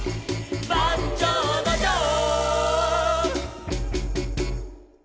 「バンジョーのジョー」